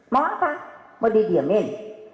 mau apa mau didiamin